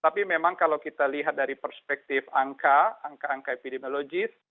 tapi memang kalau kita lihat dari perspektif angka angka epidemiologis